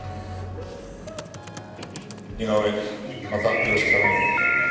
似顔絵またよろしく頼むよ。